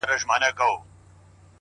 راځه د اوښکو تويول در زده کړم ـ